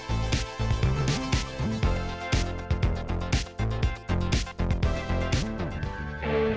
kita sih nyayang jika ada acontec equation